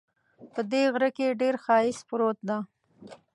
په دې غره کې ډېر ښایست پروت ده